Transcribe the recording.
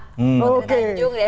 pak heru tanju